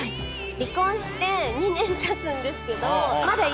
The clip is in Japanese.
離婚して２年経つんですけどまだ。